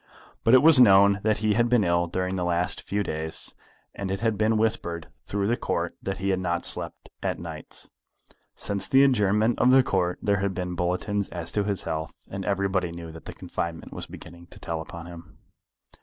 But it was known that he had been ill during the last few days, and it had been whispered through the Court that he had not slept at nights. Since the adjournment of the Court there had been bulletins as to his health, and everybody knew that the confinement was beginning to tell upon him.